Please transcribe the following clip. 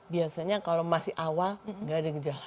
biasanya kalau masih awal nggak ada gejala